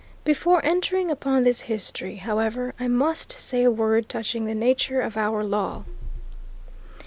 Before entering upon this history, however, I must say a word touching the nature of our law.